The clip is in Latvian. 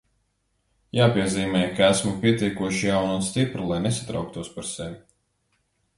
Jāpiezīmē, ka esmu pietiekoši jauna un stipra, lai nesatrauktos par sevi.